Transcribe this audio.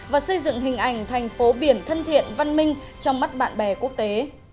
và xây dựng hình ảnh thành phố biển thân thiện văn minh trong mắt bạn bè quốc tế